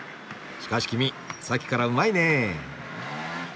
しかし君さっきからうまいねえ！